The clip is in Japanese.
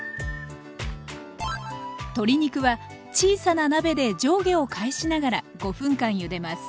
鶏肉は小さな鍋で上下を返しながら５分間ゆでます。